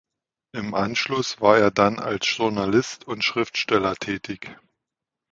Im Anschluss war er dann als Journalist und Schriftsteller tätig.